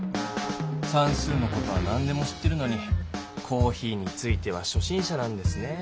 さんすうの事はなんでも知ってるのにコーヒーについてはしょ心者なんですね。